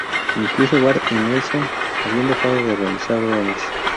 Incluso Bart y Nelson habían dejado de realizar bromas.